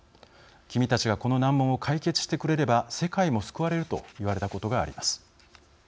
君たちがこの難問を解決してくれれば世界も救われると言われたことがあります。